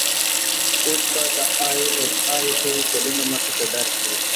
اوس به د آى اس آى ټول چلونه مخې ته درشي.